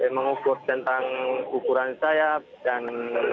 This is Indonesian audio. mengukur tentang ukuran sayap dan